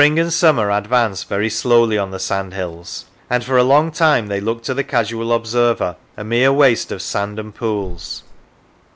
The Sands and summer advance very slowly on the sandhills, and for a long time they look to the casual observer a mere waste of sand and pools.